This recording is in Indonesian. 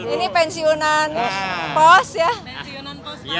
ini pensiunan pos ya